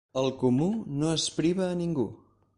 El comú no es priva a ningú.